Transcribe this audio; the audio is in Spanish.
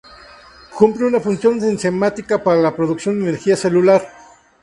Cumple una función enzimática para la producción de energía celular.